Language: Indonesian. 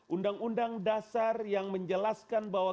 undang undang dasar yang menjelaskan bahwa